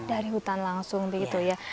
dari hutan langsung begitu ya